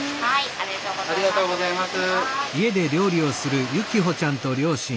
ありがとうございます。